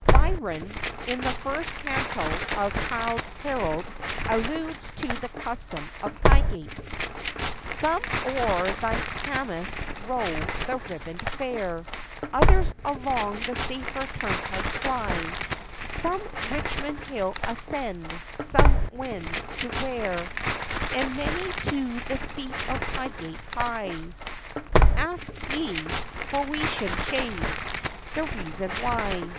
Byron, in the first canto of Childe Harold, alludes to the custom of Highgate:— Some o'er thy Thamis row the ribboned fair, Others along the safer turnpike fly; Some Richmond hill ascend, some wend to Ware, And many to the steep of Highgate hie. Ask ye, Bœotian shades! the reason why?